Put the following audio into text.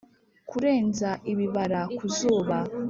kurenza ibibara ku zuba.